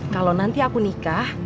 kalo nanti aku nikah